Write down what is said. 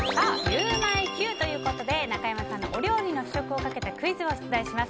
ゆウマいＱということで中山さんのお料理の試食をかけたクイズを出題します。